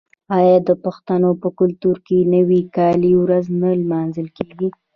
آیا د پښتنو په کلتور کې د نوي کال ورځ نه لمانځل کیږي؟